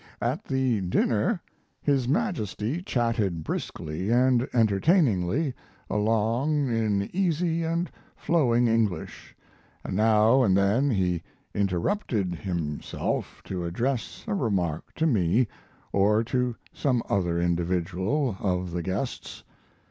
"At the dinner his Majesty chatted briskly and entertainingly along in easy and flowing English, and now and then he interrupted himself to address a remark to me or to some other individual of the guests.